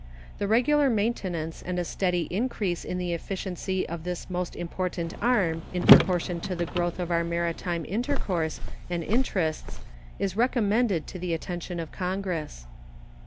The regular maintenance and a steady increase in the efficiency of this most important arm in proportion to the growth of our maritime intercourse and interests is recommended to the attention of Congress.